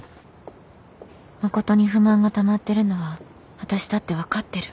誠に不満がたまってるのはあたしだって分かってる